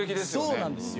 そうなんですよ。